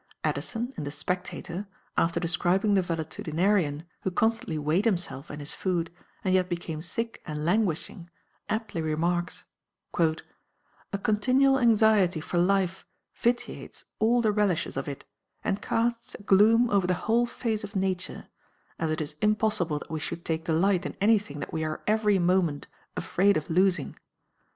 Addison, in the Spectator, after describing the valetudinarian who constantly weighed himself and his food, and yet became sick and languishing, aptly remarks, "A continual anxiety for life vitiates all the relishes of it, and casts a gloom over the whole face of nature, as it is impossible that we should take delight in anything that we are every moment afraid of losing."